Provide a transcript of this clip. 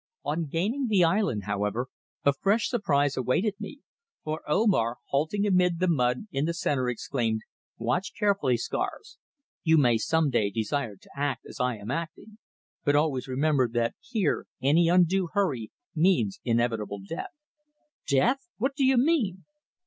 On gaining the island, however, a fresh surprise awaited me, for Omar, halting amid the mud in the centre, exclaimed: "Watch carefully, Scars. You may some day desire to act as I am acting; but always remember that here any undue hurry means inevitable death." "Death! What do you mean?"